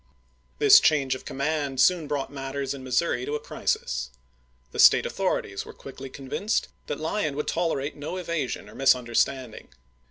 This change of command soon brought matters in Missouri to a crisis. The State authorities were quickly convinced that Lyon would tolerate no evasion or misunderstanding.